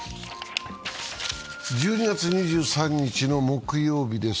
１２月２３日の木曜日です。